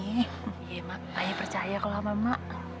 iya mak ayah percaya kalau sama mak